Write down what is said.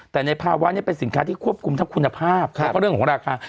แต่ในภาวะนี้เป็นสินค้าที่ควบคุมทั้งคุณภาพแล้วก็เรื่องของราคา